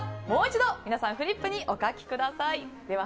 もう一度、皆さんフリップにお書きください。